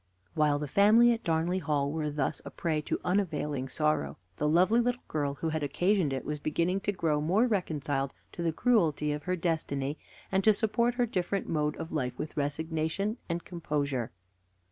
While the family at Darnley Hall were thus a prey to unavailing sorrow, the lovely little girl who had occasioned it was beginning to grow more reconciled to the cruelty of her destiny, and to support her different mode of life with resignation and composure.